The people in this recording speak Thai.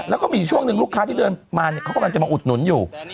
แล้วก็มีอยู่ช่วงหนึ่งลูกค้าที่เดินมาเขากำลังจะมาอุดหนุนอยู่